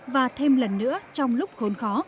và thêm lần nữa trong lúc khốn khó